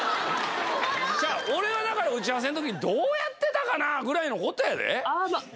俺はだから打ち合わせの時にどうやってた？ぐらいのことやで。